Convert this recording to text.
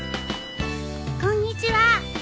こんにちは。